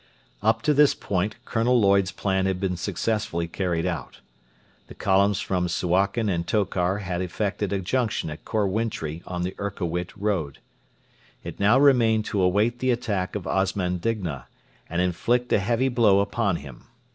Up to this point Colonel Lloyd's plan had been successfully carried out. The columns from Suakin and Tokar had effected a junction at Khor Wintri on the Erkowit road. It now remained to await the attack of Osman Digna, and inflict a heavy blow upon him.